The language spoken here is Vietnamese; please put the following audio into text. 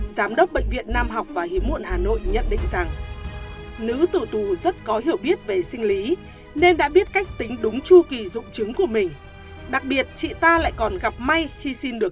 giám đốc bệnh viện nam học và hiếm muộn hà nội nhận định rằng nữ tử tù rất có hiểu biết về sinh lý nên đã biết cách tính đúng chu kỳ dụng chứng của mình